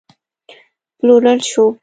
پلورل شو